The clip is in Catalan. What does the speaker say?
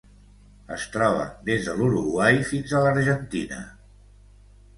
Es troba des de l'Uruguai fins a l'Argentina.